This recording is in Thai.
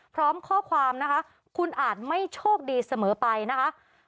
พร้อมข้อความนะคะคุณอาจไม่โชคดีเสมอไปนะคะ